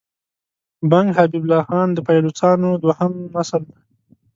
بنګ حبیب الله د پایلوچانو دوهم نسل دی.